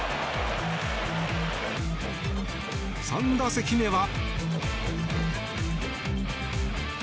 ３打席目は。